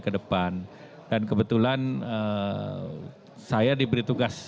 kedepan dan kebetulan saya diberi tugas